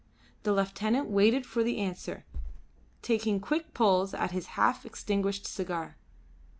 The lieutenant waited for the answer, taking quick pulls at his half extinguished cigar.